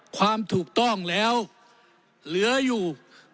ความถูกต้องแล้วเหลืออยู่